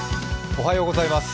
おはようございます。